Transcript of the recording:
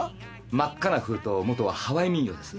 『真っ赤な封筒』元はハワイ民謡です。